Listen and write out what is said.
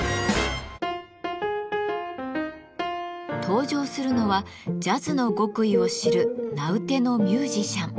登場するのはジャズの極意を知る名うてのミュージシャン。